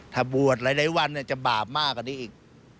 ถ้าบวชหลายวันจะบาปมากกว่านี้อีก